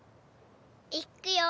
いくよ。